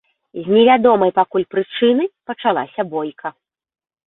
З не вядомай пакуль прычыны пачалася бойка.